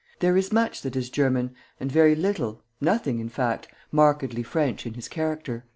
There is much that is German, and very little nothing, in fact markedly French in his character."